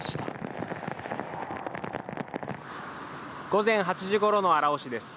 午前８時ごろの荒尾市です。